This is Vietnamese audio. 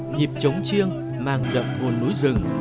nhịp trống chiêng mang đậm hồn núi rừng